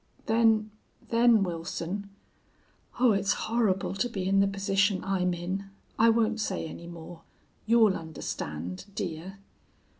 Then then, Wilson ... Oh, it's horrible to be in the position I'm in. I won't say any more. You'll understand, dear.